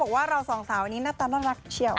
บอกว่าเราสองสาวนี้น่าต้อนรักเชี่ยว